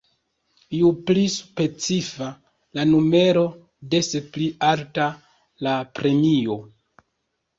Ju pli specifa la numero, des pli alta la premio.